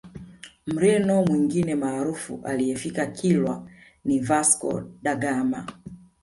Mreno mwingine maarufu aliyefika Kilwa ni Vasco da Gama